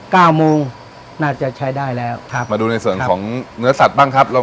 เก้าโมงน่าจะใช้ได้แล้วครับมาดูในส่วนของเนื้อสัตว์บ้างครับเรา